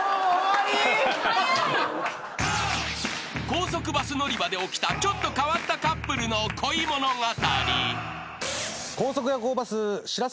［高速バス乗り場で起きたちょっと変わったカップルの恋物語］